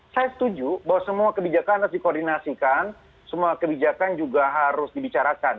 saya setuju bahwa semua kebijakan harus dikoordinasikan semua kebijakan juga harus dibicarakan